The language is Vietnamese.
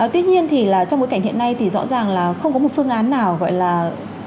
tuy nhiên thì là trong bối cảnh hiện nay thì rõ ràng là không có một phương án nào gọi là